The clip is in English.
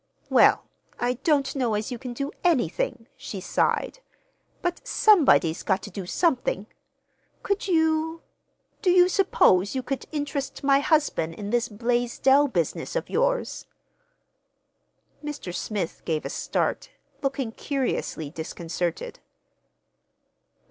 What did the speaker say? "Well, I don't know as you can do anything," she sighed; "but somebody's got to do something. Could you—do you suppose you could interest my husband in this Blaisdell business of yours?" Mr. Smith gave a start, looking curiously disconcerted.